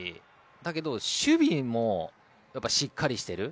だけど、守備もしっかりしてる。